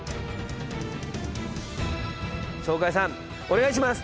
鳥海さんお願いします。